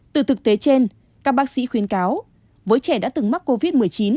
từ thực tế trên các bác sĩ khuyến cáo với trẻ đã từng mắc covid một mươi chín